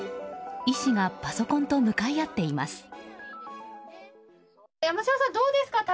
医師がパソコンと向かい合っています。